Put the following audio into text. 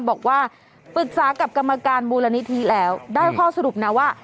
บอกว่าปรึกษากับกรรมการมูลนิธิแล้วได้ข้อสรุปนะว่า